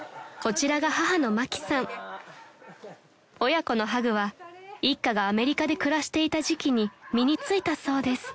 ［親子のハグは一家がアメリカで暮らしていた時期に身に付いたそうです］